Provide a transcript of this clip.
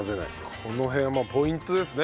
この辺はポイントですね。